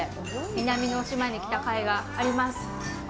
南の島に来たかいがあります！